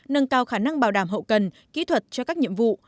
nâng cao khả năng bảo đảm hậu cần kỹ thuật cho các nhiệm vụ